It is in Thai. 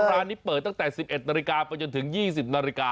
ร้านนี้เปิดตั้งแต่๑๑นไปจนถึง๒๐น